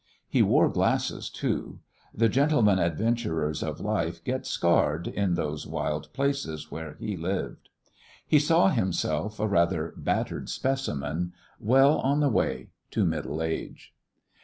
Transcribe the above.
He wore glasses, too. The gentlemen adventurers of life get scarred in those wild places where he lived. He saw himself a rather battered specimen well on the way to middle age.